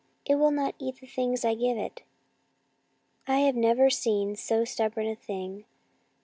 It will not eat the things I give it. I have never seen so stubborn a thing.